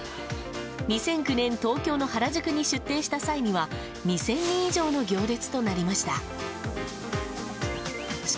２００９年東京の原宿に出店した際には２０００人以上の行列となりました。